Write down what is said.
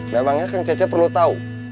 memangnya kang cecep perlu tahu